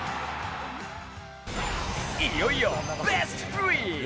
いよいよベストスリー！